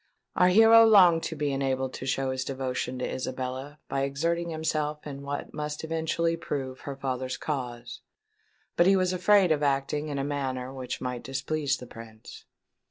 Our hero longed to be enabled to show his devotion to Isabella by exerting himself in what must eventually prove her father's cause; but he was afraid of acting in a manner which might displease the Prince.